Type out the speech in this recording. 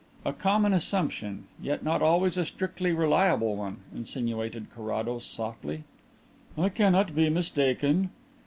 "A common assumption, yet not always a strictly reliable one," insinuated Carrados softly. "I cannot be mistaken."